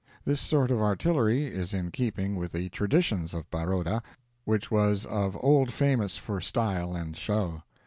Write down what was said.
This sort of artillery is in keeping with the traditions of Baroda, which was of old famous for style and show.